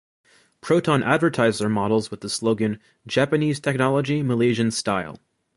Proton advertised their models with the slogan "Japanese Technology, Malaysian Style".